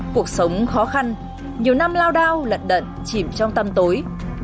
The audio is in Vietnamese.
cuộc sống khó khăn nhiều năm lao đao lật đận chìm trong tâm tối